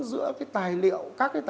giữa các tài liệu